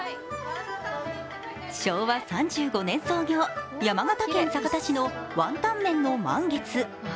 昭和３５年創業、山形県酒田市のワンタンメンの満月。